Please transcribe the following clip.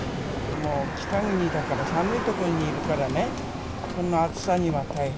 もう北国だから、寒い所にいるからね、こんな暑さには大変。